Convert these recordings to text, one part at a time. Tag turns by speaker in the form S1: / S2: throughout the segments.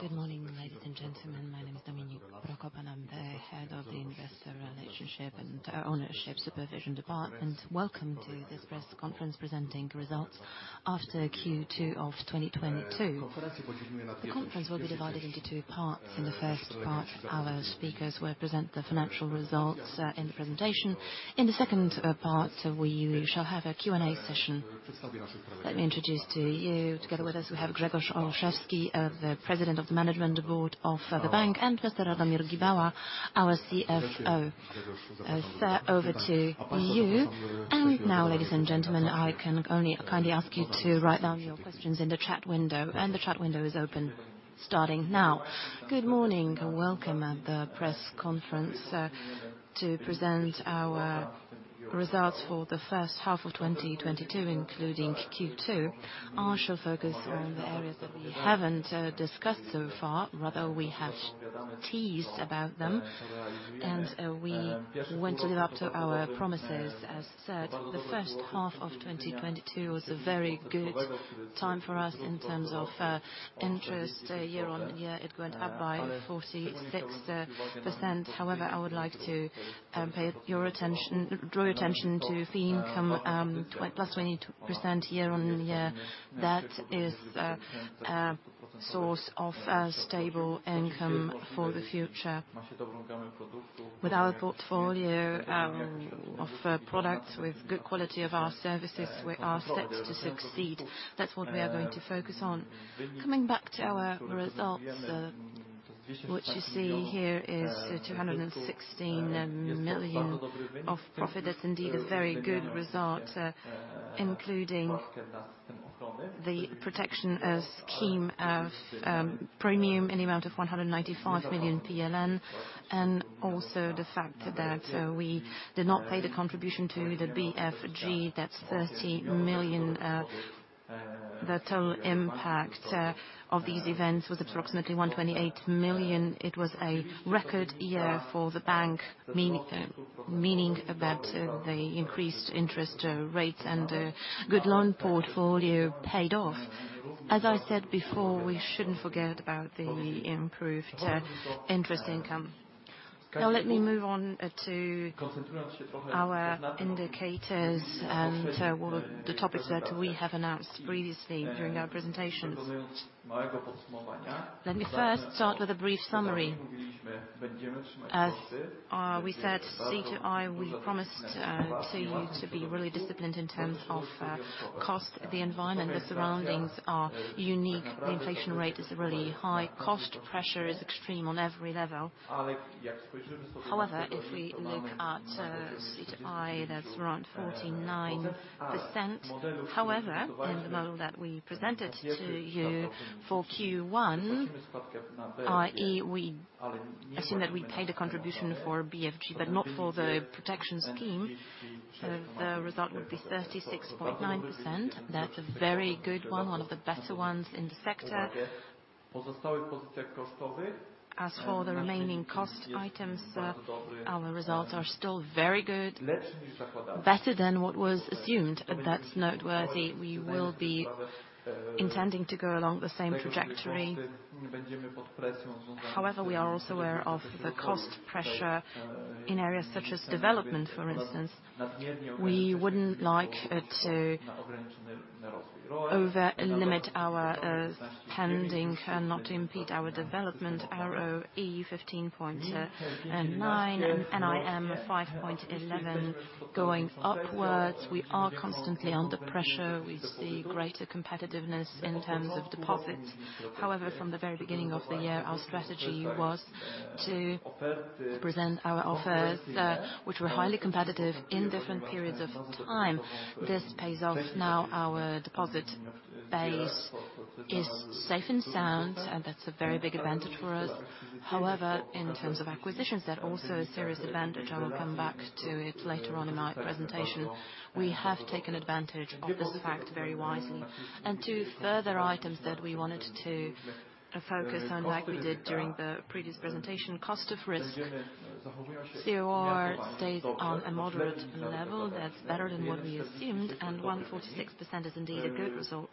S1: Good morning, ladies and gentlemen. My name is Dominik Prokop and I'm the Head of the Investor Relations and Ownership Supervision Department. Welcome to this press conference presenting results after Q2 of 2022. The conference will be divided into two parts. In the first part, our speakers will present the financial results in the presentation. In the second part, we shall have a Q&A session. Let me introduce to you together with us, we have Grzegorz Olszewski, the President of the Management Board of the bank, and Mr. Radomir Gibała, our CFO. Sir, over to you. Now, ladies and gentlemen, I can only kindly ask you to write down your questions in the chat window, and the chat window is open starting now.
S2: Good morning and welcome to the press conference to present our results for the first half of 2022, including Q2. I shall focus on the areas that we haven't discussed so far. Rather, we have teased about them, and we want to live up to our promises. As said, the first half of 2022 was a very good time for us in terms of interest year-over-year. It went up by 46%. However, I would like to draw your attention to fee income, +20% year-over-year. That is a source of a stable income for the future. With our portfolio of products with good quality of our services, we are set to succeed. That's what we are going to focus on. Coming back to our results, what you see here is 216 million of profit. That's indeed a very good result, including the protection scheme premium in the amount of 195 million PLN, and also the fact that we did not pay the contribution to the BFG. That's 30 million. The total impact of these events was approximately 128 million. It was a record year for the bank, meaning about the increased interest rates and good loan portfolio paid off. As I said before, we shouldn't forget about the improved interest income. Now, let me move on to our indicators and all of the topics that we have announced previously during our presentations. Let me first start with a brief summary. As we said, C/I, we promised to you to be really disciplined in terms of cost. The environment, the surroundings are unique. The inflation rate is really high. Cost pressure is extreme on every level. However, if we look at C/I, that's around 49%. However, in the model that we presented to you for Q1, i.e. we assume that we paid a contribution for BFG but not for the protection scheme, so the result would be 36.9%. That's a very good one of the better ones in the sector. As for the remaining cost items, our results are still very good, better than what was assumed. That's noteworthy. We will be intending to go along the same trajectory. However, we are also aware of the cost pressure in areas such as development, for instance. We wouldn't like to over limit our spending and not impede our development. ROE 15.9% and NIM 5.11% going upwards. We are constantly under pressure. We see greater competitiveness in terms of deposits. However, from the very beginning of the year, our strategy was to present our offers, which were highly competitive in different periods of time. This pays off now. Our deposit base is safe and sound, and that's a very big advantage for us. However, in terms of acquisitions, that's also a serious advantage. I will come back to it later on in my presentation. We have taken advantage of this fact very wisely. Two further items that we wanted to focus on like we did during the previous presentation, cost of risk. CoR stays on a moderate level. That's better than what we assumed, and 146% is indeed a good result.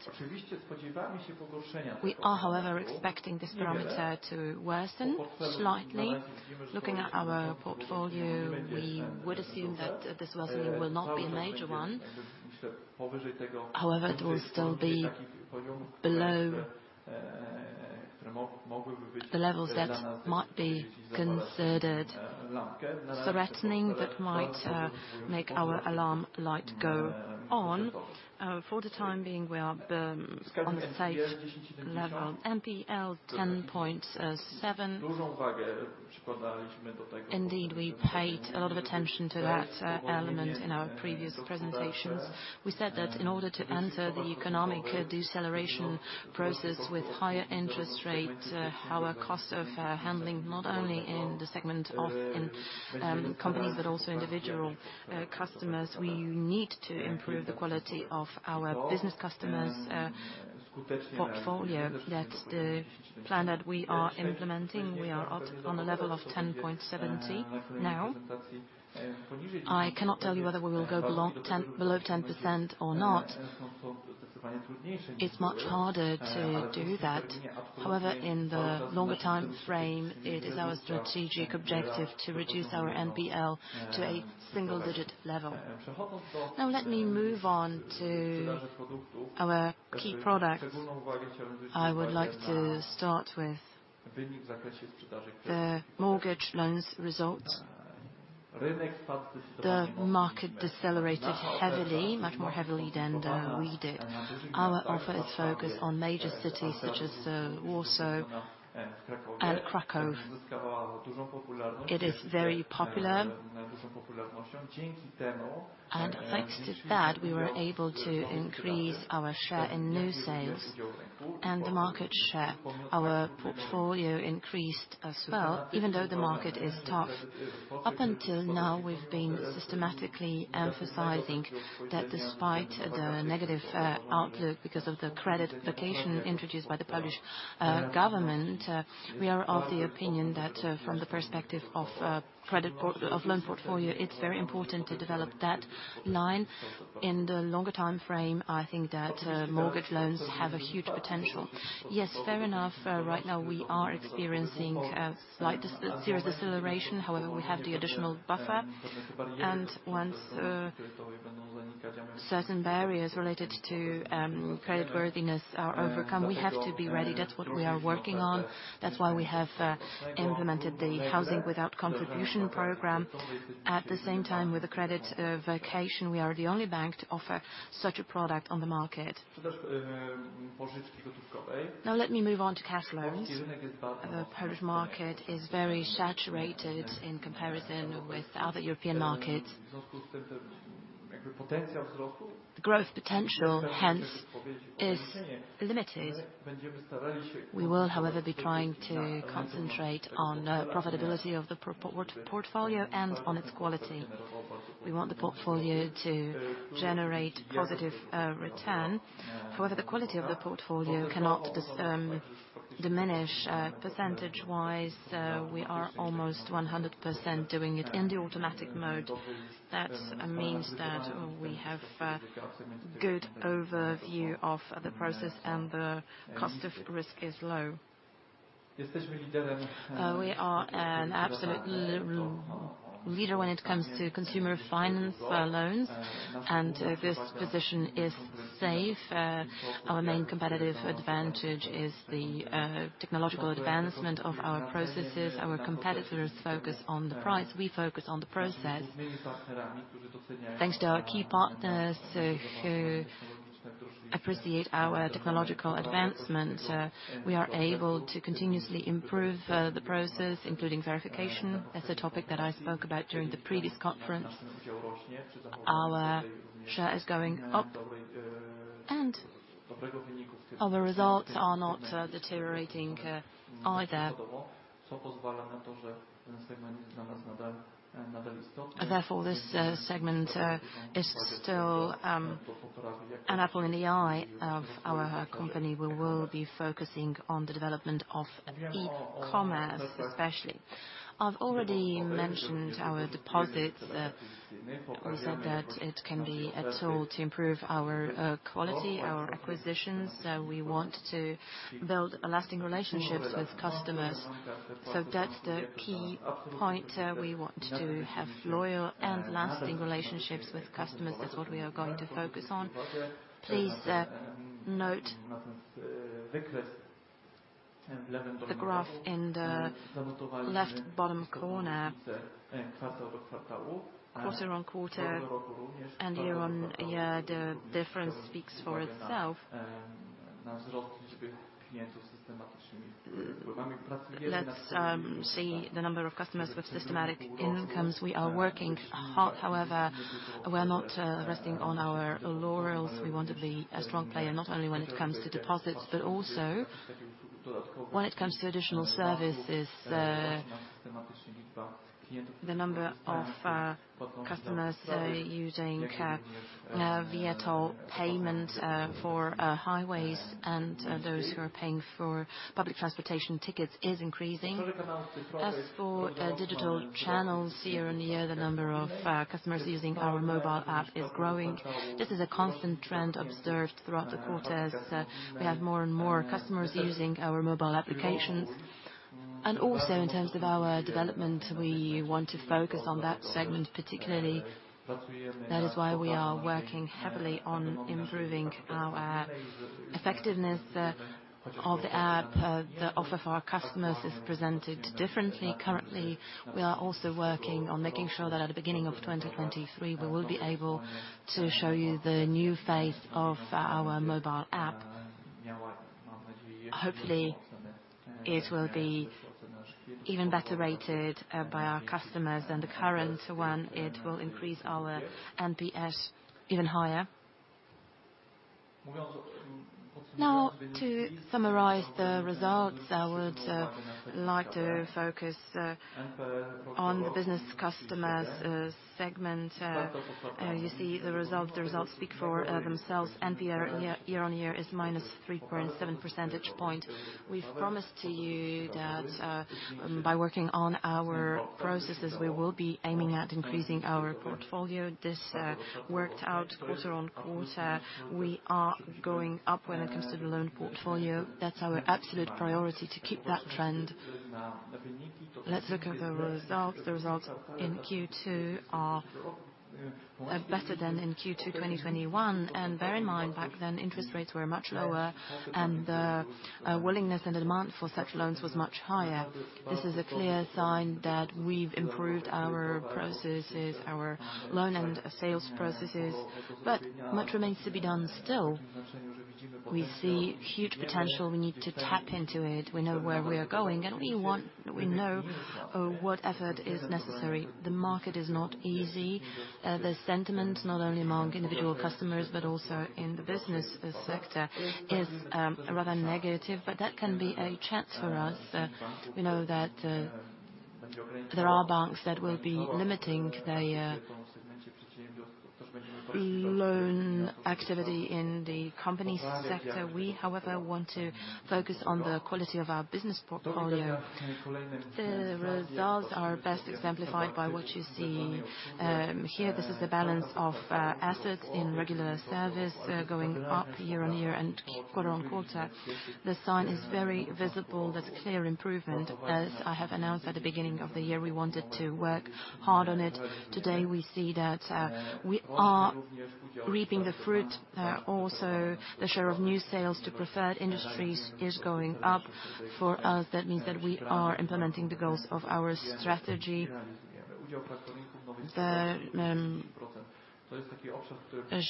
S2: We are, however, expecting this parameter to worsen slightly. Looking at our portfolio, we would assume that this worsening will not be a major one. However, it will still be below the levels that might be considered threatening, that might make our alarm light go on. For the time being, we are on the safe level. NPL 10.7%. Indeed, we paid a lot of attention to that element in our previous presentations. We said that in order to enter the economic deceleration process with higher interest rates, our cost of funding, not only in the segment of companies but also individual customers, we need to improve the quality of our business customers' portfolio. That's the plan that we are implementing. We are at a level of 10.70 now. I cannot tell you whether we will go below 10% or not. It's much harder to do that. However, in the longer timeframe, it is our strategic objective to reduce our NPL to a single-digit level. Now let me move on to our key products. I would like to start with the mortgage loans results. The market decelerated heavily, much more heavily than we did. Our offer is focused on major cities such as Warsaw and Kraków. It is very popular. Thanks to that, we were able to increase our share in new sales and the market share. Our portfolio increased as well, even though the market is tough. Up until now, we've been systematically emphasizing that despite the negative outlook because of the credit vacation introduced by the Polish government, we are of the opinion that from the perspective of loan portfolio, it's very important to develop that line. In the longer timeframe, I think that mortgage loans have a huge potential. Yes, fair enough, right now we are experiencing a serious deceleration. However, we have the additional buffer, and once certain barriers related to creditworthiness are overcome, we have to be ready. That's what we are working on. That's why we have implemented the Housing Without Contribution program. At the same time, with the credit vacation, we are the only bank to offer such a product on the market. Now let me move on to cash loans. The Polish market is very saturated in comparison with other European markets. The growth potential, hence, is limited. We will, however, be trying to concentrate on profitability of the portfolio and on its quality. We want the portfolio to generate positive return. However, the quality of the portfolio cannot diminish. Percentage-wise, we are almost 100% doing it in the automatic mode. That means that we have good overview of the process, and the cost of risk is low. We are an absolute leader when it comes to consumer finance loans, and this position is safe. Our main competitive advantage is the technological advancement of our processes. Our competitors focus on the price. We focus on the process. Thanks to our key partners who appreciate our technological advancement, we are able to continuously improve the process, including verification. That's a topic that I spoke about during the previous conference. Our share is going up, and our results are not deteriorating either. Therefore, this segment is still an apple of the eye of our company. We will be focusing on the development of e-commerce, especially. I've already mentioned our deposits. We said that it can be a tool to improve our quality, our acquisitions. We want to build lasting relationships with customers. That's the key point. We want to have loyal and lasting relationships with customers. That's what we are going to focus on. Please note the graph in the left bottom corner. Quarter-over-quarter and year-over-year, the difference speaks for itself. Let's see the number of customers with systematic incomes. We are working hard. However, we're not resting on our laurels. We want to be a strong player, not only when it comes to deposits, but also when it comes to additional services. The number of customers using viaTOLL payment for highways and those who are paying for public transportation tickets is increasing. As for digital channels, year on year, the number of customers using our mobile app is growing. This is a constant trend observed throughout the quarters. We have more and more customers using our mobile applications. Also in terms of our development, we want to focus on that segment particularly. That is why we are working heavily on improving our effectiveness of the app. The offer for our customers is presented differently currently. We are also working on making sure that at the beginning of 2023, we will be able to show you the new face of our mobile app. Hopefully, it will be even better rated by our customers than the current one. It will increase our NPS even higher. Now to summarize the results, I would like to focus on the business customers segment. You see the results speak for themselves. NPL year-on-year is -3.7 percentage points. We've promised to you that by working on our processes, we will be aiming at increasing our portfolio. This worked out quarter-over-quarter. We are going up when it comes to the loan portfolio. That's our absolute priority to keep that trend. Let's look at the results. The results in Q2 are better than in Q2 2021. Bear in mind back then, interest rates were much lower and the willingness and the demand for such loans was much higher. This is a clear sign that we've improved our processes, our loan and sales processes, but much remains to be done still. We see huge potential. We need to tap into it. We know where we are going. We know what effort is necessary. The market is not easy. The sentiment, not only among individual customers but also in the business sector, is rather negative, but that can be a chance for us. We know that there are banks that will be limiting their loan activity in the company sector. We, however, want to focus on the quality of our business portfolio. The results are best exemplified by what you see here. This is the balance of assets in regular service going up year-on-year and quarter-on-quarter. The sign is very visible. That's clear improvement. As I have announced at the beginning of the year, we wanted to work hard on it. Today we see that we are reaping the fruit. Also the share of new sales to preferred industries is going up. For us, that means that we are implementing the goals of our strategy. The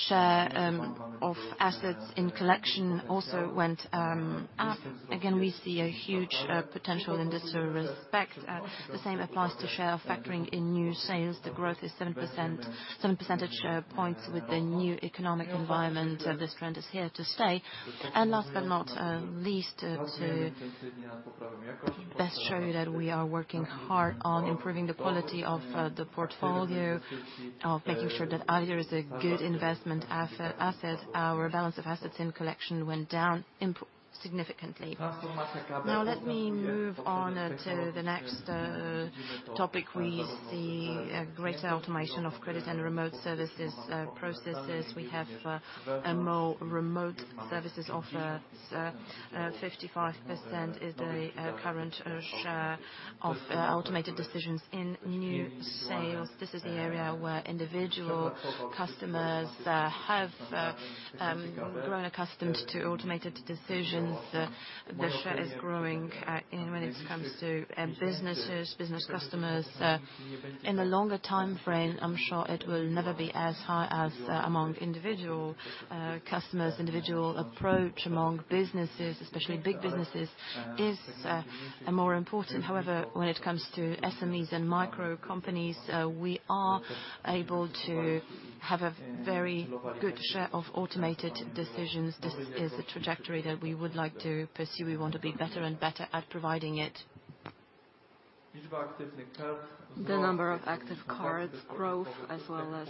S2: share of assets in collection also went up. Again, we see a huge potential in this respect. The same applies to share factoring in new sales. The growth is 7%, 7 percentage points with the new economic environment. This trend is here to stay. Last but not least, to best show you that we are working hard on improving the quality of the portfolio, of making sure that Alior is a good investment asset. Our balance of assets in collection went down significantly. Now let me move on to the next topic. We see a greater automation of credit and remote services processes. We have a more remote services offers. 55% is the current share of automated decisions in new sales. This is the area where individual customers have grown accustomed to automated decisions. The share is growing in when it comes to businesses, business customers. In the longer time frame, I'm sure it will never be as high as among individual customers. Individual approach among businesses, especially big businesses, is more important. However, when it comes to SMEs and micro companies, we are able to have a very good share of automated decisions. This is a trajectory that we would like to pursue. We want to be better and better at providing it. The number of active cards growth as well as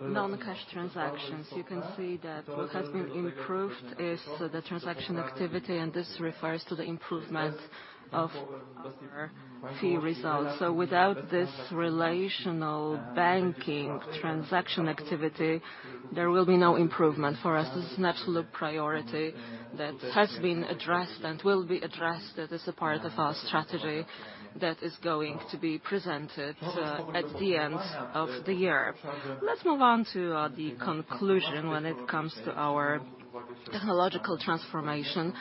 S2: non-cash transactions. You can see that what has been improved is the transaction activity and this refers to the improvement of our fee results. Without this relational banking transaction activity, there will be no improvement. For us, this is an absolute priority that has been addressed and will be addressed as a part of our strategy that is going to be presented at the end of the year. Let's move on to the conclusion when it comes to our technological transformation.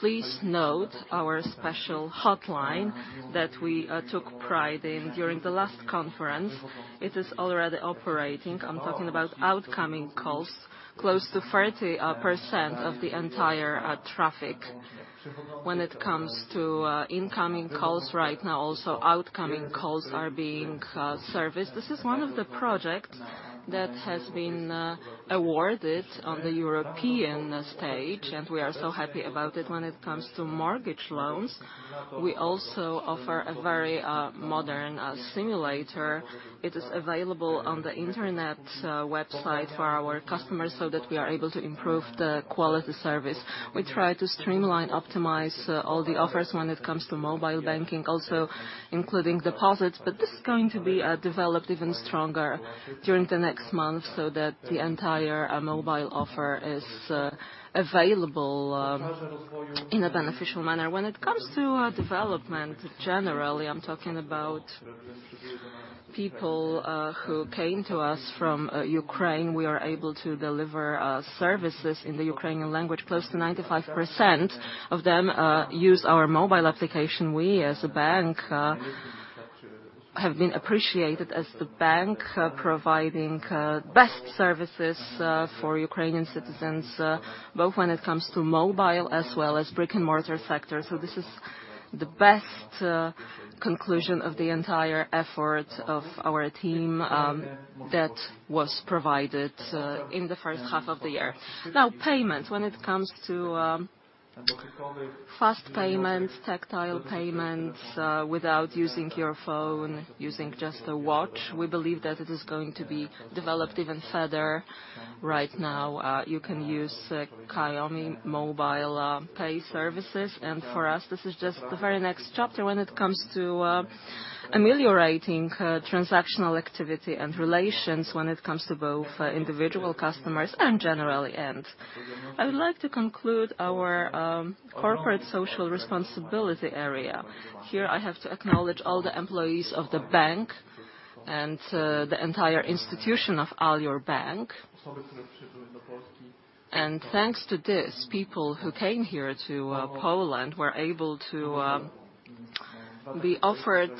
S2: Please note our special hotline that we took pride in during the last conference. It is already operating. I'm talking about outgoing calls, close to 30% of the entire traffic when it comes to incoming calls right now. Also, outgoing calls are being serviced. This is one of the projects that has been awarded on the European stage, and we are so happy about it. When it comes to mortgage loans, we also offer a very modern simulator. It is available on the internet website for our customers so that we are able to improve the quality service. We try to streamline, optimize all the offers when it comes to mobile banking, also including deposits. This is going to be developed even stronger during the next month so that the entire mobile offer is available in a beneficial manner. When it comes to development, generally, I'm talking about people who came to us from Ukraine. We are able to deliver services in the Ukrainian language. Close to 95% of them use our mobile application. We as a bank have been appreciated as the bank providing best services for Ukrainian citizens, both when it comes to mobile as well as brick-and-mortar sectors. This is the best conclusion of the entire effort of our team that was provided in the first half of the year. Now, payments. When it comes to fast payments, contactless payments without using your phone, using just a watch, we believe that it is going to be developed even further. Right now, you can use Xiaomi Mobile Pay services, and for us, this is just the very next chapter when it comes to ameliorating transactional activity and relations when it comes to both individual customers and generally. I would like to conclude our corporate social responsibility area. Here, I have to acknowledge all the employees of the bank and the entire institution of Alior Bank. Thanks to this, people who came here to Poland were able to be offered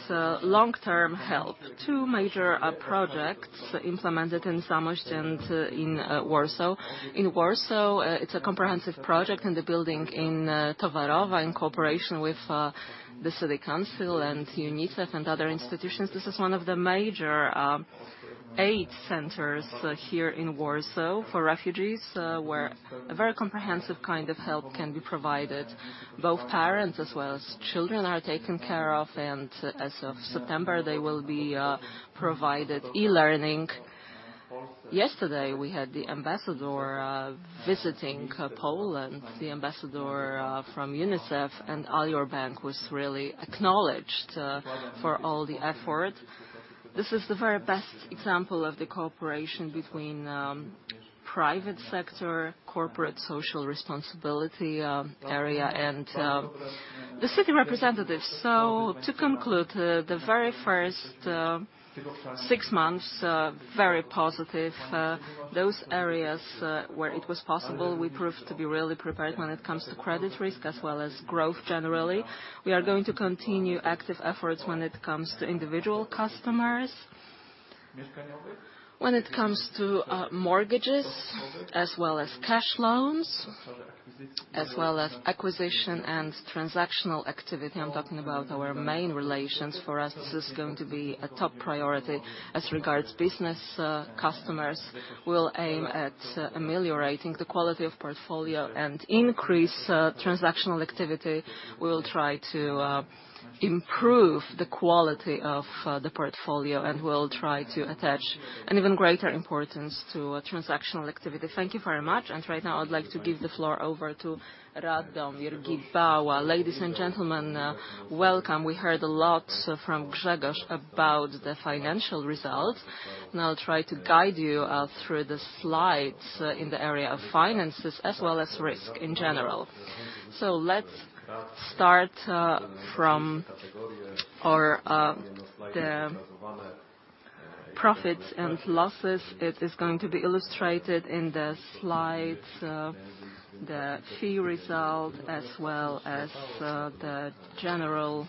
S2: long-term help. Two major projects implemented in Zamość and in Warsaw. In Warsaw, it's a comprehensive project in the building in Towarowa in cooperation with the city council and UNICEF and other institutions. This is one of the major aid centers here in Warsaw for refugees where a very comprehensive kind of help can be provided. Both parents as well as children are taken care of, and as of September, they will be provided e-learning. Yesterday, we had the ambassador visiting Poland, the ambassador from UNICEF, and Alior Bank was really acknowledged for all the effort. This is the very best example of the cooperation between private sector, corporate social responsibility area, and the city representatives. To conclude, the very first six months very positive. Those areas where it was possible, we proved to be really prepared when it comes to credit risk as well as growth generally. We are going to continue active efforts when it comes to individual customers. When it comes to mortgages as well as cash loans as well as acquisition and transactional activity, I'm talking about our main relations, for us, this is going to be a top priority. As regards business customers, we'll aim at ameliorating the quality of portfolio and increase transactional activity. We will try to improve the quality of the portfolio, and we'll try to attach an even greater importance to transactional activity. Thank you very much, and right now, I would like to give the floor over to Radomir Gibała.
S3: Ladies and gentlemen, welcome. We heard a lot from Grzegorz about the financial results, and I'll try to guide you through the slides in the area of finances as well as risk in general. Let's start from our profits and losses. It is going to be illustrated in the slides, the fee result as well as the general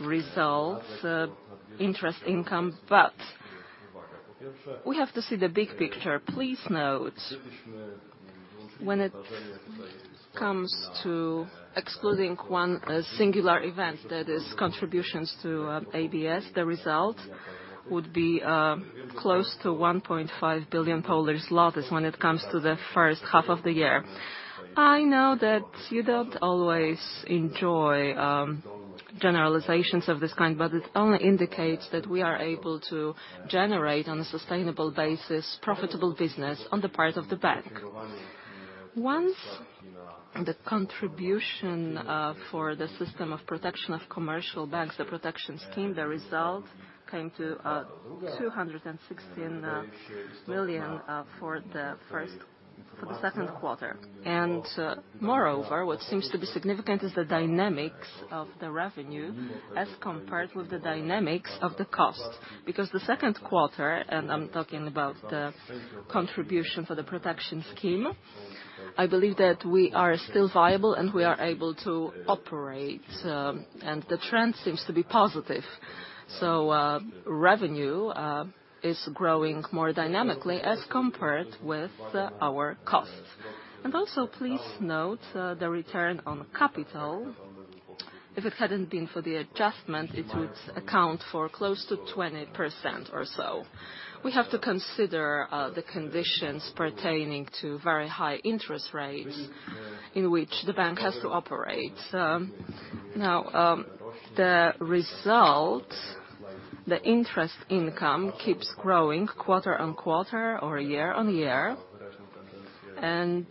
S3: results, interest income. We have to see the big picture. Please note, when it comes to excluding one singular event, that is contributions to BFG, the result would be close to 1.5 billion when it comes to the first half of the year. I know that you don't always enjoy generalizations of this kind, but it only indicates that we are able to generate, on a sustainable basis, profitable business on the part of the bank. Once the contribution for the system of protection of commercial banks, the protection scheme, the result came to 216 million for the second quarter. Moreover, what seems to be significant is the dynamics of the revenue as compared with the dynamics of the cost. Because the second quarter, and I'm talking about the contribution for the protection scheme, I believe that we are still viable, and we are able to operate, and the trend seems to be positive. Revenue is growing more dynamically as compared with our costs. Also, please note the return on capital. If it hadn't been for the adjustment, it would account for close to 20% or so. We have to consider the conditions pertaining to very high interest rates in which the bank has to operate. Now, the result, the interest income keeps growing quarter-on-quarter or year-on-year, and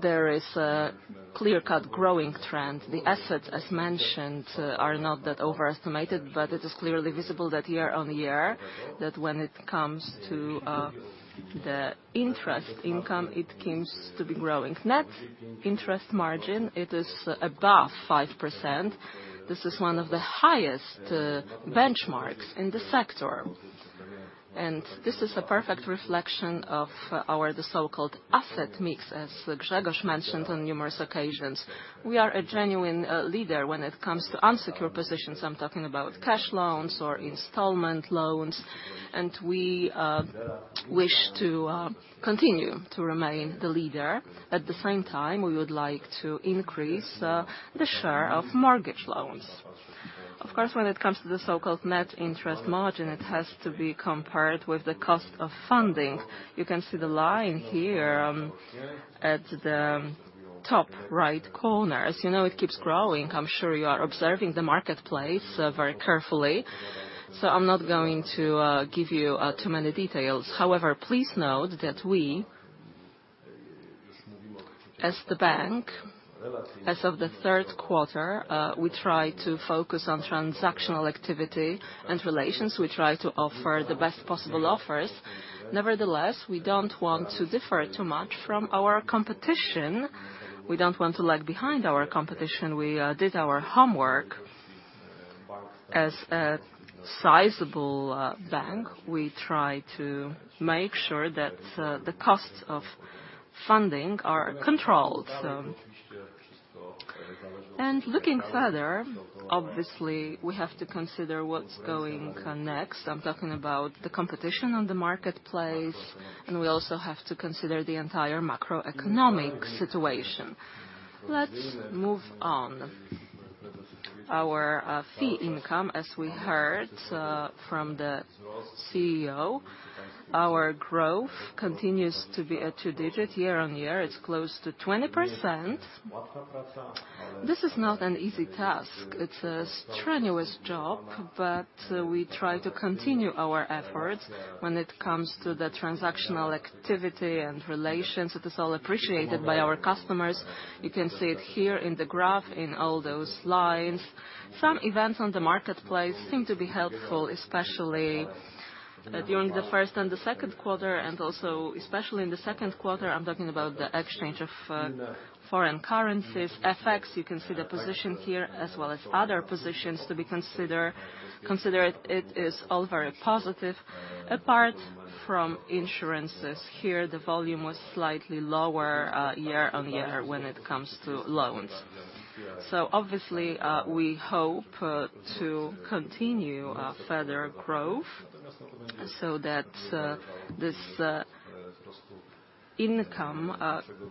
S3: there is a clear-cut growing trend. The assets, as mentioned, are not that overestimated, but it is clearly visible that year-on-year, that when it comes to the interest income, it seems to be growing. Net interest margin, it is above 5%. This is one of the highest benchmarks in the sector. This is a perfect reflection of our, the so-called asset mix, as Grzegorz mentioned on numerous occasions. We are a genuine leader when it comes to unsecured positions. I'm talking about cash loans or installment loans, and we wish to continue to remain the leader. At the same time, we would like to increase the share of mortgage loans. Of course, when it comes to the so-called net interest margin, it has to be compared with the cost of funding. You can see the line here at the top right corner. As you know, it keeps growing. I'm sure you are observing the marketplace very carefully, so I'm not going to give you too many details. However, please note that we, as the bank, as of the third quarter, we try to focus on transactional activity and relations. We try to offer the best possible offers. Nevertheless, we don't want to differ too much from our competition. We don't want to lag behind our competition. We did our homework. As a sizable bank, we try to make sure that the costs of funding are controlled. Looking further, obviously, we have to consider what's going next. I'm talking about the competition on the marketplace, and we also have to consider the entire macroeconomic situation. Let's move on. Our fee income, as we heard from the CEO, our growth continues to be a two-digit year-on-year. It's close to 20%. This is not an easy task. It's a strenuous job, but we try to continue our efforts when it comes to the transactional activity and relations. It is all appreciated by our customers. You can see it here in the graph in all those lines. Some events on the marketplace seem to be helpful, especially during the first and the second quarter, and also especially in the second quarter. I'm talking about the exchange of foreign currencies, FX. You can see the position here as well as other positions to be considered. It is all very positive. Apart from insurances here, the volume was slightly lower year-on-year when it comes to loans. Obviously, we hope to continue further growth so that this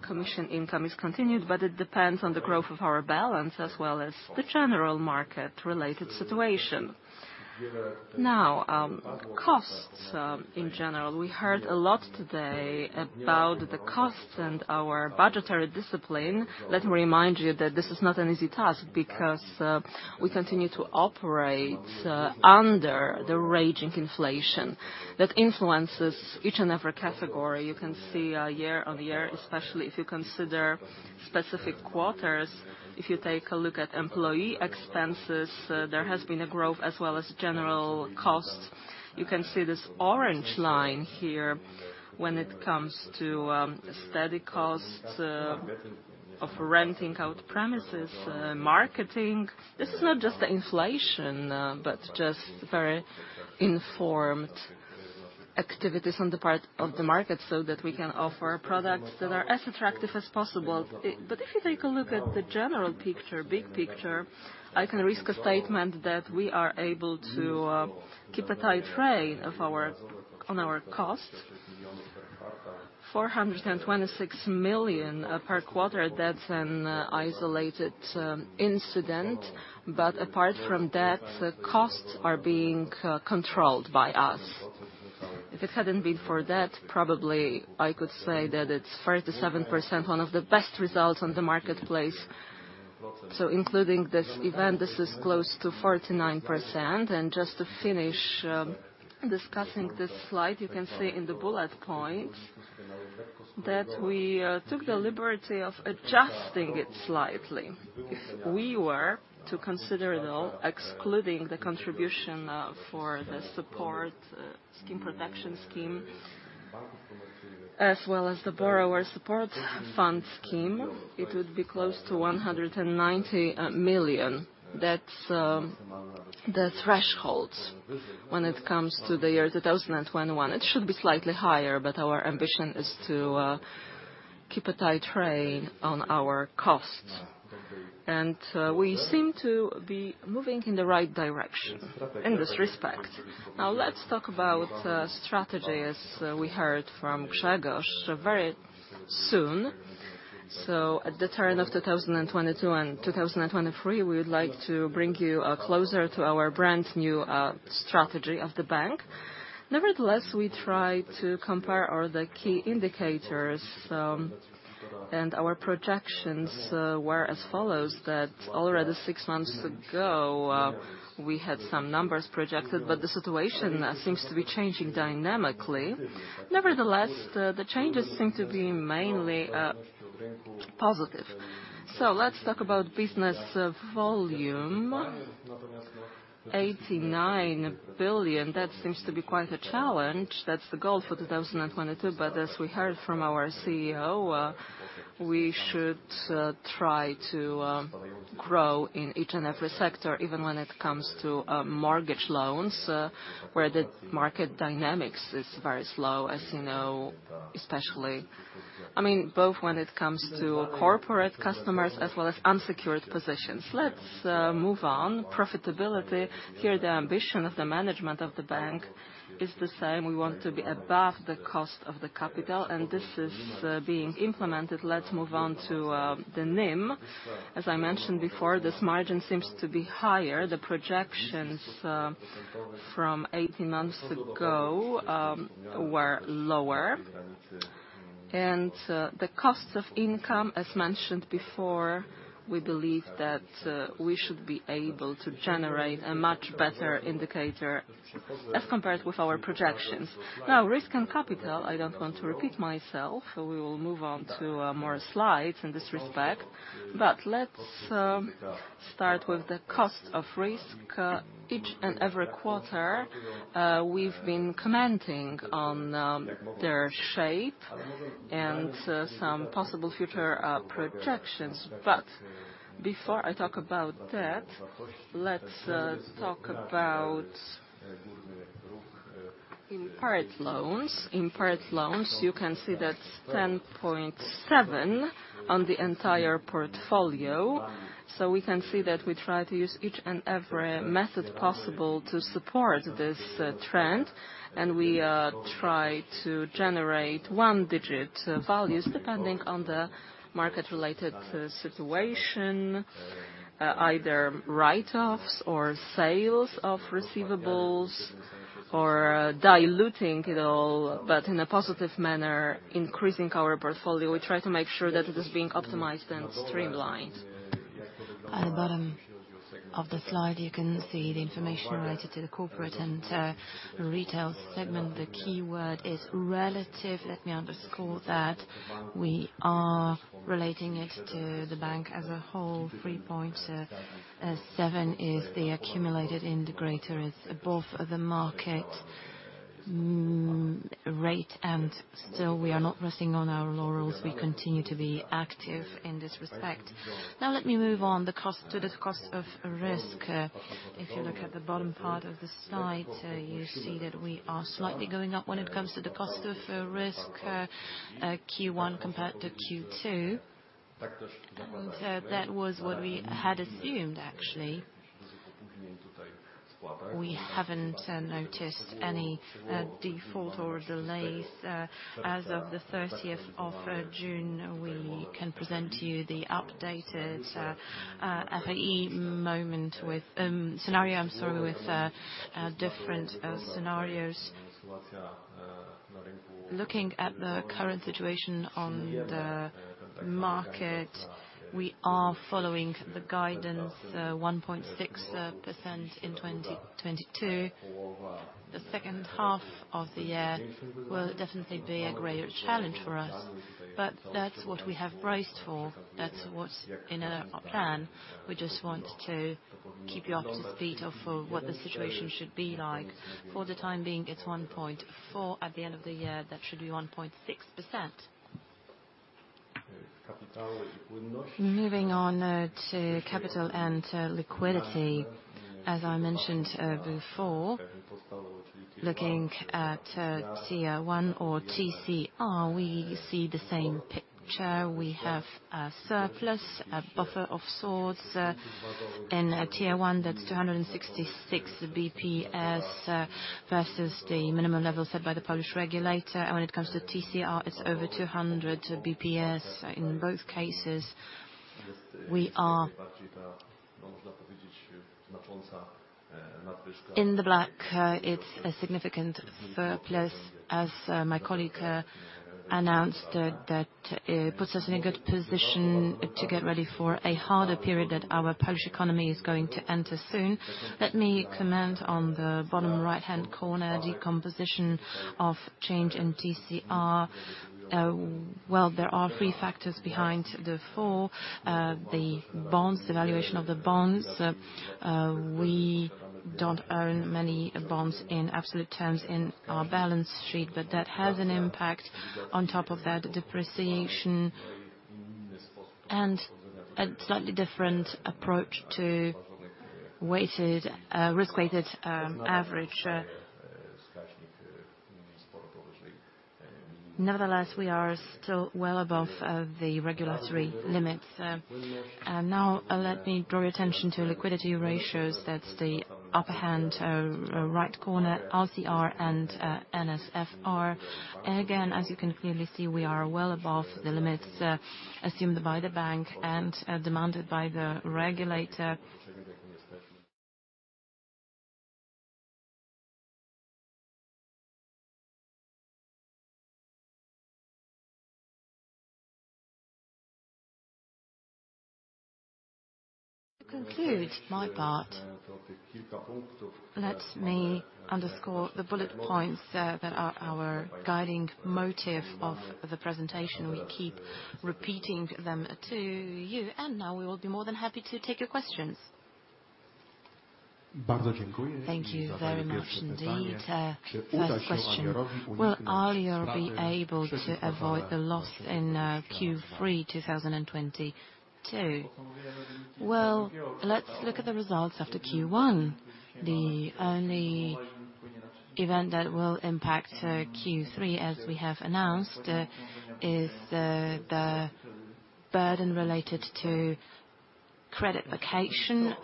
S3: commission income is continued, but it depends on the growth of our balance as well as the general market-related situation. Now, costs in general. We heard a lot today about the costs and our budgetary discipline. Let me remind you that this is not an easy task because we continue to operate under the raging inflation that influences each and every category. You can see year on year, especially if you consider specific quarters. If you take a look at employee expenses, there has been a growth as well as general cost. You can see this orange line here when it comes to steady costs of renting out premises, marketing. This is not just the inflation, but just very informed activities on the part of the market so that we can offer products that are as attractive as possible. But if you take a look at the general picture, big picture, I can risk a statement that we are able to keep a tight rein on our costs. 426 million per quarter, that's an isolated incident, but apart from that, the costs are being controlled by us. If it hadn't been for that, probably I could say that it's 37%, one of the best results on the marketplace. So including this event, this is close to 49%. Just to finish discussing this slide, you can see in the bullet points that we took the liberty of adjusting it slightly. If we were to consider, though, excluding the contribution for the Institutional Protection Scheme, as well as the Borrower Support Fund scheme, it would be close to 190 million. That's the threshold when it comes to the year 2021. It should be slightly higher, but our ambition is to keep a tight rein on our costs. We seem to be moving in the right direction in this respect. Now, let's talk about strategy, as we heard from Grzegorz very soon. At the turn of 2022 and 2023, we would like to bring you closer to our brand-new strategy of the bank. Nevertheless, we try to compare all the key indicators and our projections were as follows, that already six months ago we had some numbers projected, but the situation seems to be changing dynamically. Nevertheless, the changes seem to be mainly positive. Let's talk about business volume. 89 billion, that seems to be quite a challenge. That's the goal for 2022. As we heard from our CEO, we should try to grow in each and every sector, even when it comes to mortgage loans, where the market dynamics is very slow, as you know, especially, I mean, both when it comes to corporate customers as well as unsecured positions. Let's move on. Profitability. Here the ambition of the management of the bank is the same. We want to be above the cost of the capital, and this is being implemented. Let's move on to the NIM. As I mentioned before, this margin seems to be higher. The projections from 18 months ago were lower. The cost-to-income, as mentioned before, we believe that we should be able to generate a much better indicator as compared with our projections. Now, risk and capital, I don't want to repeat myself. We will move on to more slides in this respect. Let's start with the cost of risk. Each and every quarter, we've been commenting on their shape and some possible future projections. Before I talk about that, let's talk about impaired loans. Impaired loans, you can see that's 10.7% on the entire portfolio. We can see that we try to use each and every method possible to support this trend. We try to generate one-digit values depending on the market-related situation, either write-offs or sales of receivables or diluting it all but in a positive manner, increasing our portfolio. We try to make sure that it is being optimized and streamlined. At the bottom of the slide, you can see the information related to the corporate and retail segment. The key word is relative. Let me underscore that. We are relating it to the bank as a whole. 3.7%, the accumulated impairment, is above the market rate, and still we are not resting on our laurels. We continue to be active in this respect. Now let me move on to the cost of risk. If you look at the bottom part of the slide, you see that we are slightly going up when it comes to the cost of risk, Q1 compared to Q2. That was what we had assumed actually. We haven't noticed any default or delays. As of the thirtieth of June, we can present to you the updated IFRS model with different scenarios. Looking at the current situation on the market, we are following the guidance, 1.6% in 2022. The second half of the year will definitely be a greater challenge for us, but that's what we have braced for. That's what's in our plan. We just want to keep you up to speed on what the situation should be like. For the time being, it's 1.4. At the end of the year, that should be 1.6%. Moving on to capital and liquidity. As I mentioned before, looking at Tier 1 or TCR, we see the same picture. We have a surplus, a buffer of sorts. In Tier 1, that's 266 bps versus the minimum level set by the Polish regulator. When it comes to TCR, it's over 200 bps. In both cases, we are in the black, it's a significant surplus. As my colleague announced that that puts us in a good position to get ready for a harder period that our Polish economy is going to enter soon. Let me comment on the bottom right-hand corner decomposition of change in TCR. There are three factors behind the four. The bonds, the valuation of the bonds, we don't own many bonds in absolute terms in our balance sheet, but that has an impact on top of that depreciation and a slightly different approach to risk-weighted average. Nevertheless, we are still well above the regulatory limits. Let me draw your attention to liquidity ratios. That's the upper right-hand corner, LCR and NSFR. Again, as you can clearly see, we are well above the limits assumed by the bank and demanded by the regulator. To conclude my part, let me underscore the bullet points that are our guiding motive of the presentation. We keep repeating them to you, and now we will be more than happy to take your questions.
S1: Thank you very much indeed. First question, will Alior be able to avoid the loss in Q3 2022?
S2: Well, let's look at the results after Q1. The only event that will impact Q3, as we have announced, is the burden related to credit vacation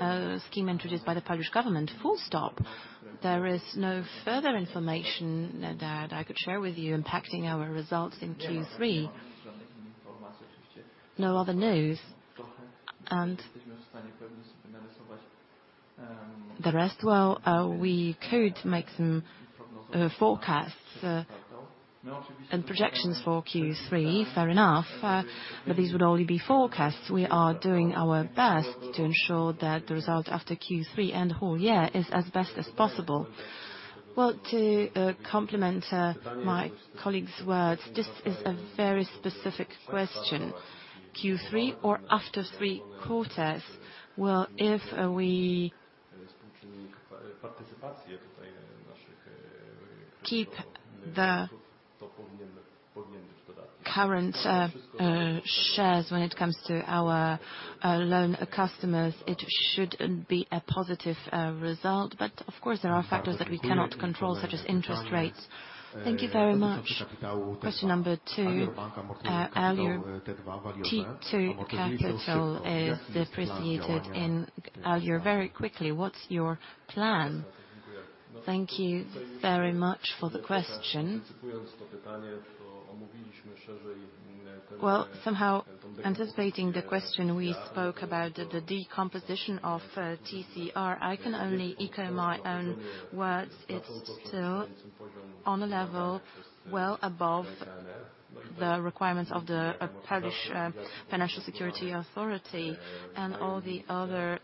S2: scheme introduced by the Polish government. Full stop. There is no further information that I could share with you impacting our results in Q3. No other news. The rest, well, we could make some forecasts, and projections for Q3, fair enough. But these would only be forecasts. We are doing our best to ensure that the result after Q3 and the whole year is as best as possible. Well, to complement my colleague's words, this is a very specific question. Q3 or after three quarters, well, if we keep the current shares when it comes to our loan customers, it should be a positive result. Of course, there are factors that we cannot control, such as interest rates.
S1: Thank you very much. Question number two. Alior T2 capital is depreciated in Alior very quickly. What's your plan?
S2: Thank you very much for the question. Well, somehow anticipating the question, we spoke about the decomposition of TCR. I can only echo my own words. It's still on a level well above the requirements of the Polish Financial Supervision Authority, and all the other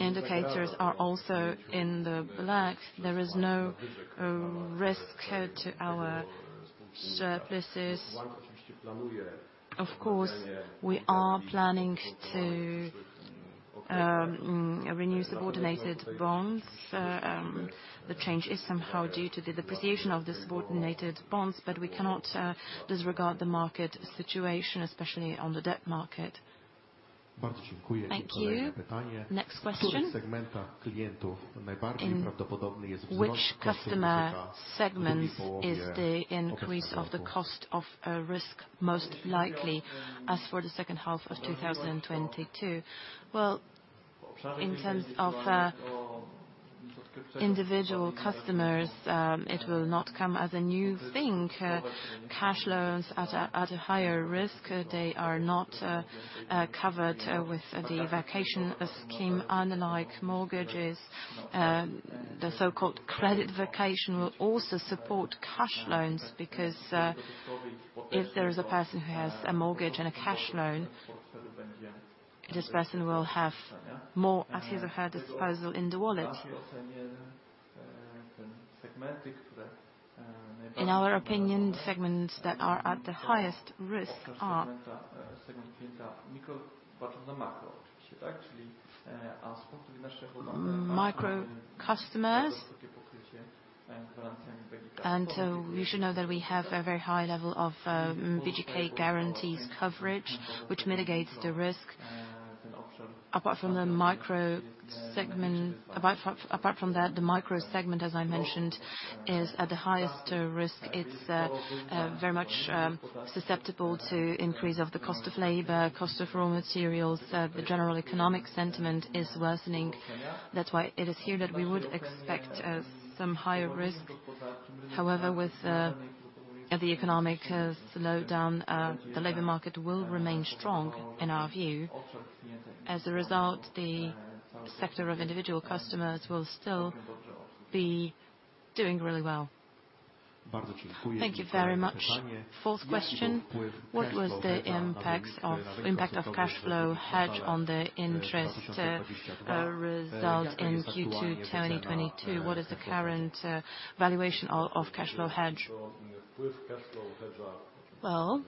S2: indicators are also in the black. There is no risk to our surpluses. Of course, we are planning to renew subordinated bonds. The change is somehow due to the depreciation of the subordinated bonds, but we cannot disregard the market situation, especially on the debt market.
S1: Thank you. Next question. In which customer segments is the increase of the cost of risk most likely as for the second half of 2022?
S2: Well, in terms of individual customers, it will not come as a new thing. Cash loans at a higher risk, they are not covered with the vacation scheme, unlike mortgages. The so-called credit vacation will also support cash loans because if there is a person who has a mortgage and a cash loan, this person will have more at his or her disposal in the wallet. In our opinion, segments that are at the highest risk are micro customers. You should know that we have a very high level of BGK guarantees coverage, which mitigates the risk. Apart from that, the micro segment, as I mentioned, is at the highest risk. It's very much susceptible to increase of the cost of labor, cost of raw materials. The general economic sentiment is worsening. That's why it is here that we would expect some higher risk. However, with the economic slowdown, the labor market will remain strong in our view. As a result, the sector of individual customers will still be doing really well.
S1: Thank you very much. Fourth question, what was the impact of cash flow hedge on the interest results in Q2 2022? What is the current valuation of cash flow hedge?
S2: Well,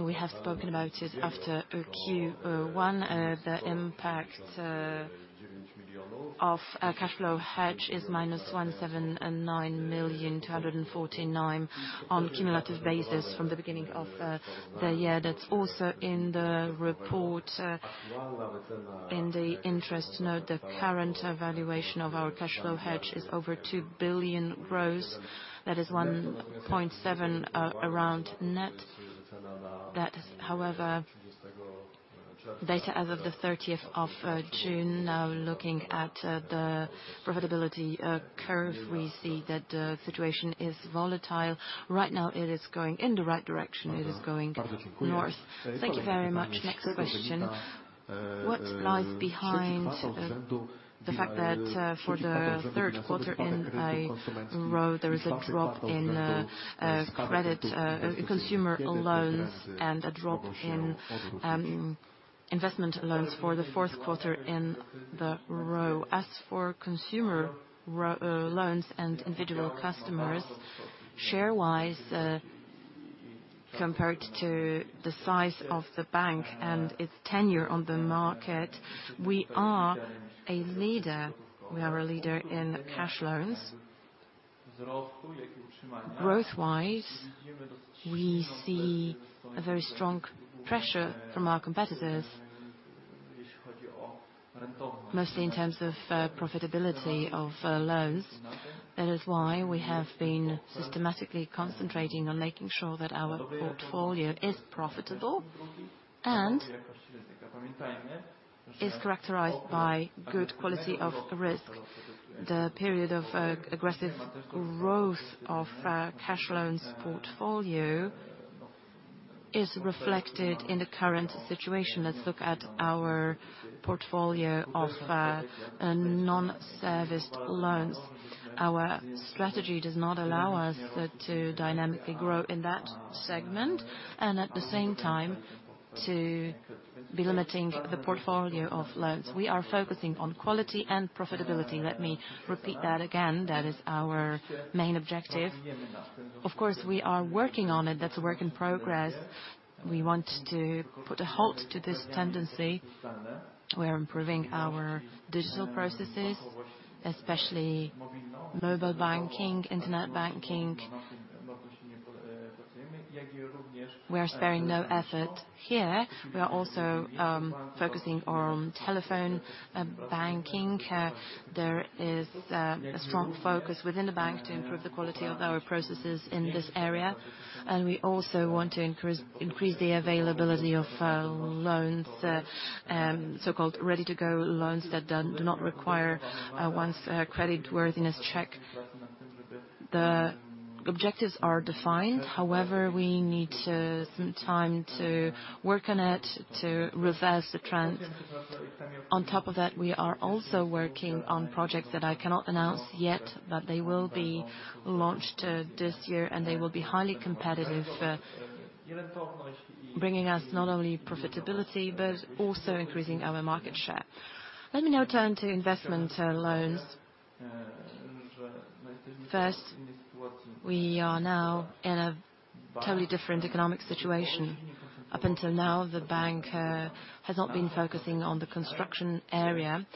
S2: we have spoken about it after Q1. The impact of cash flow hedge is minus 179.249 million on cumulative basis from the beginning of the year. That's also in the report in the interest note. The current valuation of our cash flow hedge is over 2 billion gross. That is 1.7 billion around net. That is, however, data as of the 30th of June. Now, looking at the profitability curve, we see that the situation is volatile. Right now it is going in the right direction. It is going north.
S1: Thank you very much. Next question. What lies behind the fact that for the third quarter in a row, there is a drop in consumer credit loans and a drop in investment loans for the fourth quarter in a row?
S2: As for consumer loans and individual customers, share-wise, compared to the size of the bank and its tenure on the market, we are a leader. We are a leader in cash loans. Growth-wise, we see a very strong pressure from our competitors. Mostly in terms of profitability of loans. That is why we have been systematically concentrating on making sure that our portfolio is profitable and is characterized by good quality of risk. The period of aggressive growth of cash loans portfolio is reflected in the current situation. Let's look at our portfolio of non-performing loans. Our strategy does not allow us to dynamically grow in that segment and at the same time to be limiting the portfolio of loans. We are focusing on quality and profitability. Let me repeat that again. That is our main objective. Of course, we are working on it. That's a work in progress. We want to put a halt to this tendency. We're improving our digital processes, especially mobile banking, internet banking. We are sparing no effort here. We are also focusing on telephone banking. There is a strong focus within the bank to improve the quality of our processes in this area. We also want to increase the availability of loans, so-called ready to go loans that do not require one's credit worthiness check. The objectives are defined. However, we need some time to work on it to reverse the trend. On top of that, we are also working on projects that I cannot announce yet, but they will be launched this year, and they will be highly competitive, bringing us not only profitability, but also increasing our market share. Let me now turn to investment loans. First, we are now in a totally different economic situation. Up until now, the bank has not been focusing on the construction area.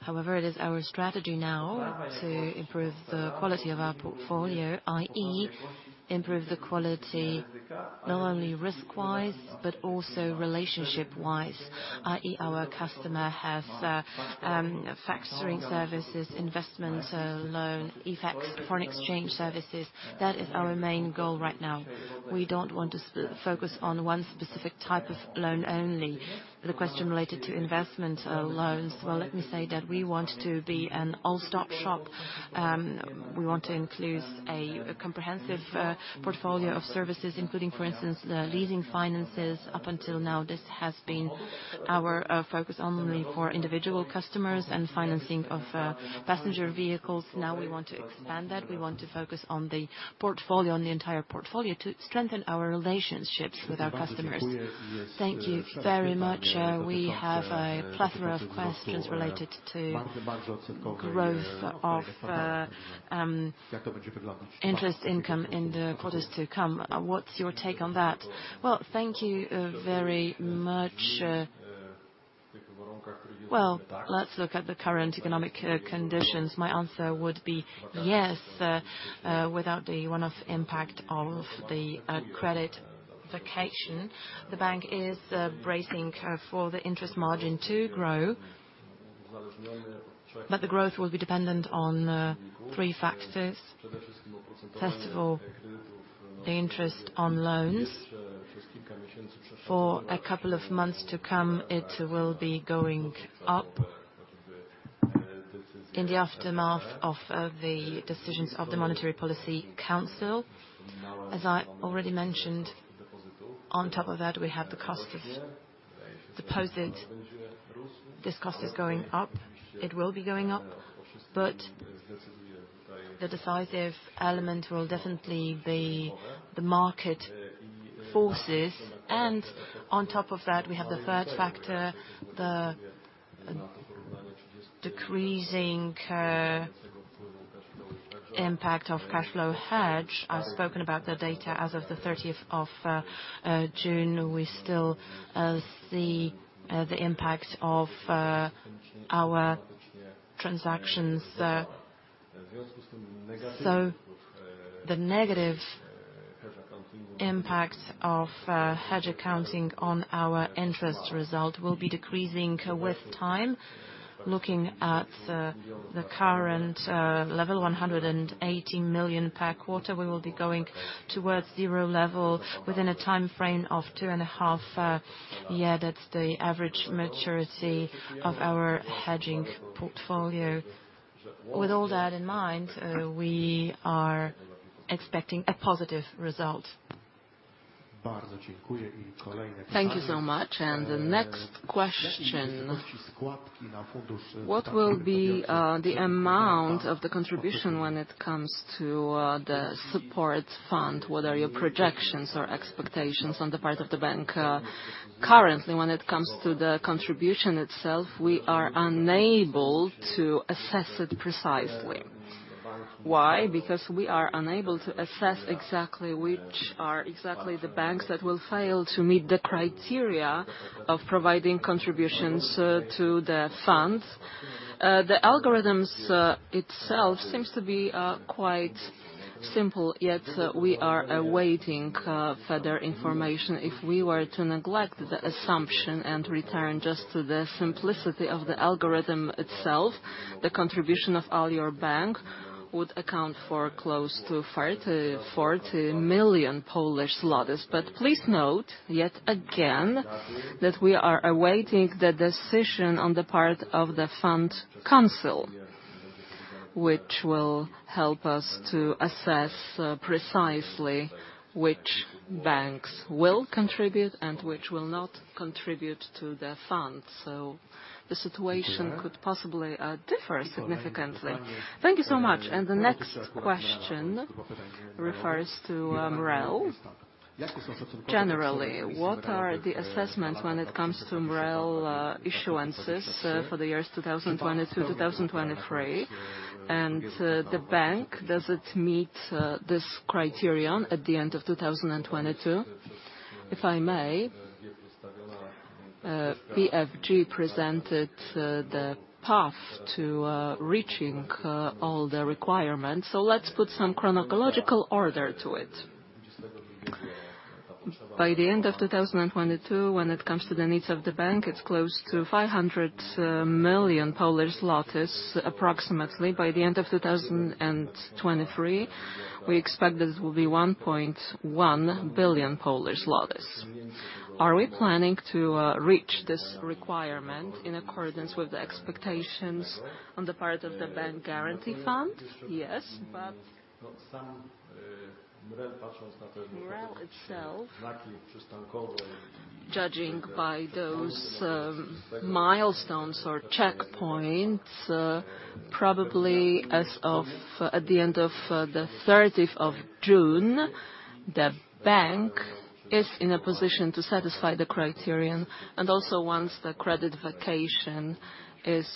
S2: However, it is our strategy now to improve the quality of our portfolio, i.e., improve the quality not only risk-wise, but also relationship-wise, i.e., our customer has factoring services, investment loans, FX, foreign exchange services. That is our main goal right now. We don't want to focus on one specific type of loan only. The question related to investment loans, well, let me say that we want to be a one-stop shop. We want to include a comprehensive portfolio of services, including, for instance, the leasing finances. Up until now, this has been our focus only for individual customers and financing of passenger vehicles. Now we want to expand that. We want to focus on the portfolio, on the entire portfolio to strengthen our relationships with our customers.
S1: Thank you very much. We have a plethora of questions related to growth of interest income in the quarters to come. What's your take on that?
S2: Well, thank you, very much. Well, let's look at the current economic conditions. My answer would be yes. Without the one-off impact of the credit vacation, the bank is bracing for the interest margin to grow. The growth will be dependent on three factors. First of all, the interest on loans. For a couple of months to come, it will be going up in the aftermath of the decisions of the Monetary Policy Council. As I already mentioned, on top of that, we have the cost of deposit. This cost is going up. It will be going up, but the decisive element will definitely be the market forces. On top of that, we have the third factor, the decreasing impact of cash flow hedge. I've spoken about the data as of the thirtieth of June. We still see the impact of our transactions. The negative impact of hedge accounting on our interest result will be decreasing with time. Looking at the current level, 180 million per quarter, we will be going towards zero level within a time frame of two and a half year. That's the average maturity of our hedging portfolio. With all that in mind, we are expecting a positive result.
S1: Thank you so much. The next question, what will be the amount of the contribution when it comes to the Support Fund? What are your projections or expectations on the part of the bank?
S2: Currently, when it comes to the contribution itself, we are unable to assess it precisely. Why? Because we are unable to assess exactly which are the banks that will fail to meet the criteria of providing contributions to the fund. The algorithms itself seems to be quite Simple, yet we are awaiting further information. If we were to neglect the assumption and return just to the simplicity of the algorithm itself, the contribution of Alior Bank would account for close to 30-40 million. Please note, yet again, that we are awaiting the decision on the part of the fund council, which will help us to assess precisely which banks will contribute and which will not contribute to the fund. The situation could possibly differ significantly.
S1: Thank you so much. The next question refers to MREL. Generally, what are the assessments when it comes to MREL issuances for the years 2022, 2023? The bank, does it meet this criterion at the end of 2022?
S3: If I may, BFG presented the path to reaching all the requirements, so let's put some chronological order to it. By the end of 2022, when it comes to the needs of the bank, it's close to 500 million approximately. By the end of 2023, we expect this will be 1.1 billion.
S1: Are we planning to reach this requirement in accordance with the expectations on the part of the Bank Guarantee Fund?
S3: Yes. MREL itself, judging by those milestones or checkpoints, probably as of the end of the thirteenth of June, the bank is in a position to satisfy the criterion. Also, once the credit vacation is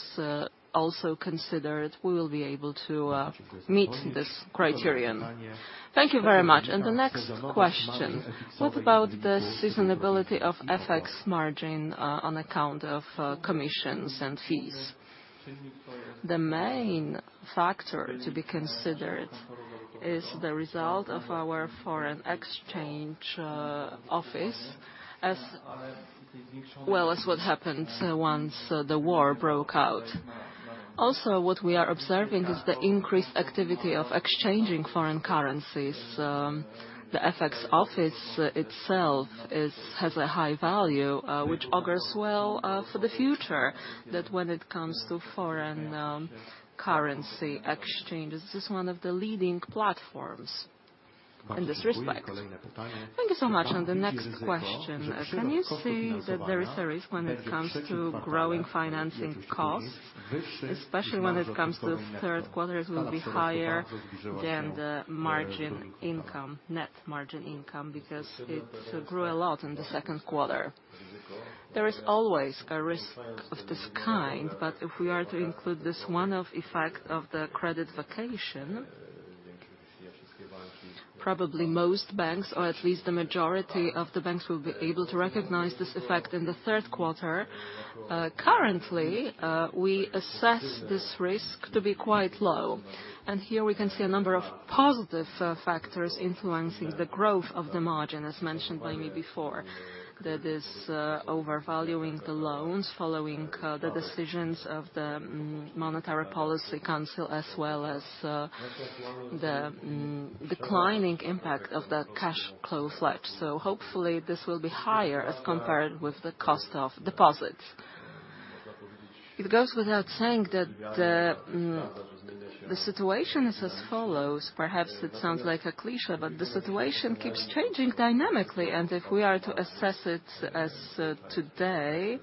S3: also considered, we will be able to meet this criterion.
S1: Thank you very much. The next question. What about the sustainability of FX margin, on account of, commissions and fees?
S3: The main factor to be considered is the result of our foreign exchange office as well as what happened once the war broke out. Also, what we are observing is the increased activity of exchanging foreign currencies. The FX office itself has a high value, which augurs well for the future, that when it comes to foreign currency exchanges, this is one of the leading platforms in this respect.
S1: Thank you so much. The next question. Can you see that there is a risk when it comes to growing financing costs, especially when it comes to third quarter it will be higher than the margin income, net margin income? Because it grew a lot in the second quarter.
S3: There is always a risk of this kind, but if we are to include this one-off effect of the credit vacation, probably most banks, or at least the majority of the banks, will be able to recognize this effect in the third quarter. Currently, we assess this risk to be quite low, and here we can see a number of positive factors influencing the growth of the margin, as mentioned by me before. That is, overvaluing the loans following the decisions of the Monetary Policy Council, as well as the declining impact of the cash flow hedge. Hopefully, this will be higher as compared with the cost of deposits. It goes without saying that the situation is as follows. Perhaps it sounds like a cliché, but the situation keeps changing dynamically, and if we are to assess it as today,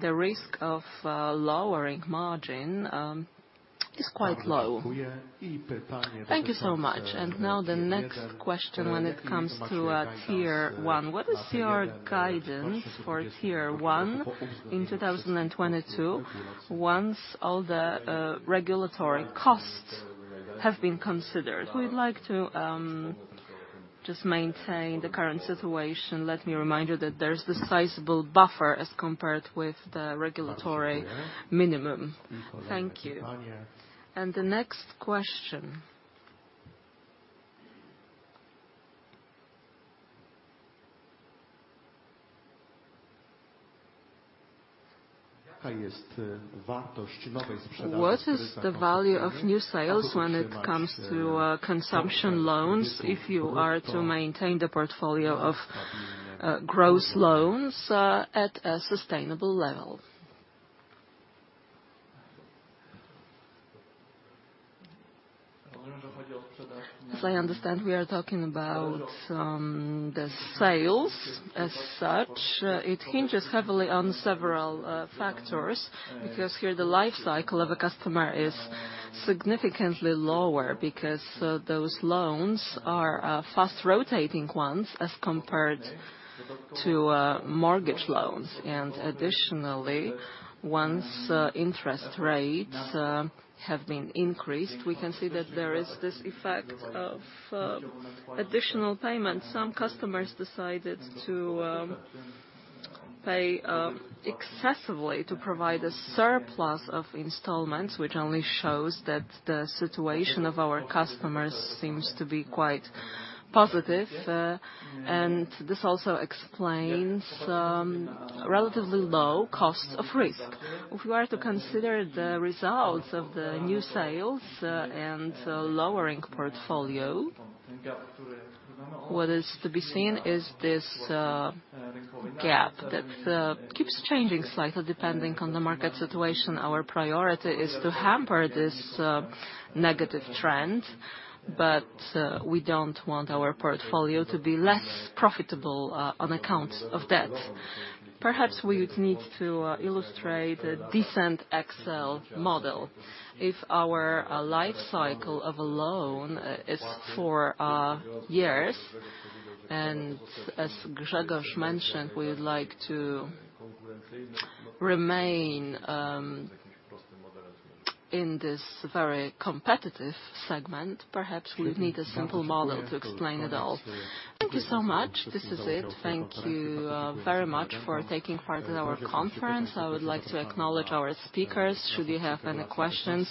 S3: the risk of lowering margin is quite low. Thank you so much.
S1: Now the next question when it comes to Tier 1. What is your guidance for Tier 1 in 2022, once all the regulatory costs have been considered?
S3: We'd like to just maintain the current situation. Let me remind you that there's the sizable buffer as compared with the regulatory minimum.
S1: Thank you. The next question. What is the value of new sales when it comes to consumption loans if you are to maintain the portfolio of gross loans at a sustainable level? As I understand, we are talking about the sales as such.
S3: It hinges heavily on several factors, because here the life cycle of a customer is significantly lower because those loans are fast-rotating ones as compared to mortgage loans. Additionally, once interest rates have been increased, we can see that there is this effect of additional payments. Some customers decided to pay excessively to provide a surplus of installments, which only shows that the situation of our customers seems to be quite positive. This also explains relatively low cost of risk. If we are to consider the results of the new sales and loan portfolio, what is to be seen is this gap that keeps changing slightly depending on the market situation. Our priority is to hamper this negative trend, but we don't want our portfolio to be less profitable on account of that. Perhaps we would need to illustrate a decent Excel model. If our life cycle of a loan is 4 years, and as Grzegorz mentioned, we would like to remain in this very competitive segment, perhaps we'd need a simple model to explain it all.
S1: Thank you so much. This is it. Thank you very much for taking part in our conference. I would like to acknowledge our speakers. Should you have any questions,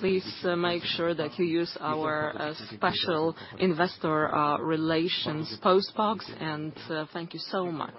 S1: please make sure that you use our special Investor Relations postbox, and thank you so much.